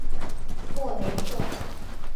莫雷特。